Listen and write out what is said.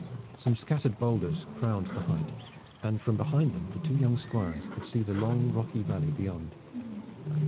Some scattered boulders crowned the height, and from behind them the two young Squires could see the long rocky valley beyond.